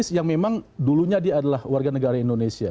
yang memang dulunya dia adalah warga negara indonesia